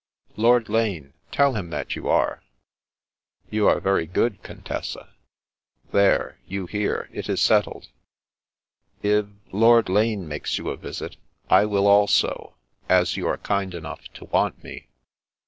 Lord Lane, tell him that you arc/' " You are very good, Contessa '*" There ! You hear, it is settled." If— rLord Lane makes you a visit, I will also, as you are kind enough to want me."